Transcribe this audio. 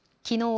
きのう